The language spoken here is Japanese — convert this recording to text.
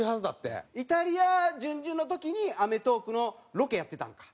イタリア準々の時に『アメトーーク』のロケやってたんか。